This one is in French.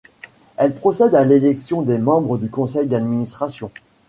Elle procède à l'élection des membres du Conseil d'administration.